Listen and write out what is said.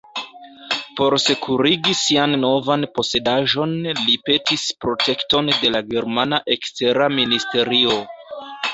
Por sekurigi sian novan posedaĵon li petis protekton de la germana ekstera ministerio.